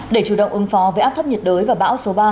để chủ động ứng phó với áp thấp nhiệt đới và bão số ba